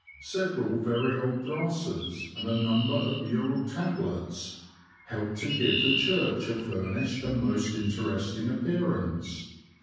Several very old A RAMBLE THROUGH NORWICH. 87 brasses, and a number of mural tablets, help to give the church a furnished and most interesting appear ance.